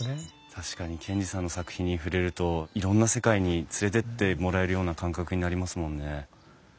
確かに賢治さんの作品に触れるといろんな世界に連れてってもらえるような感覚になりますもんね。